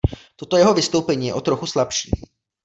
Toto jeho vystoupení je o trochu slabší.